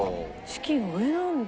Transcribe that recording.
チキン上なんだ。